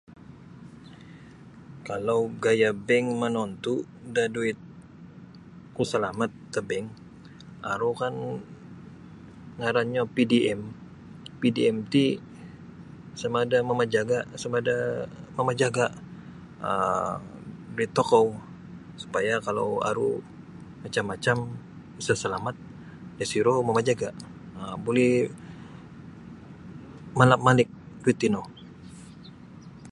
Kalau gaya bank manontu' da duit ku salamat da bank um aru kan ngarannyo PDM PDM ti samada mamajaga samada mamajaga um duit tokou supaya kalau aru macam-macam isa salamat disiro mamajaga um buli malap malik duit tino.